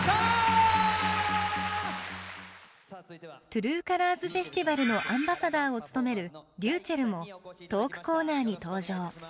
「トゥルー・カラーズ・フェスティバル」のアンバサダーを務めるｒｙｕｃｈｅｌｌもトークコーナーに登場。